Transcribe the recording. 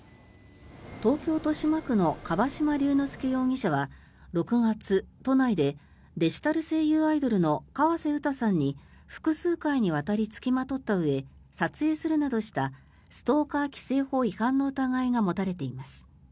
東京・豊島区の樺島隆介容疑者は６月都内で、デジタル声優アイドルの河瀬詩さんに複数回にわたり付きまとったうえ撮影するなどしたストーカー規制法違反の疑いが持たれています。